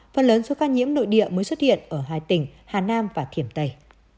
phần lớn số ca nhiễm nội địa mới xuất hiện ở hai tỉnh hà nam và kiểm tây